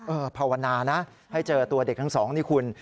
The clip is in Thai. ภาวนานะให้เจอตัวเด็กทั้งสองนี่คุณ